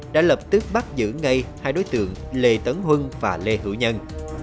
đã lập tức bắt giữ ngay hai đối tượng lê tấn huân và lê hữu nhân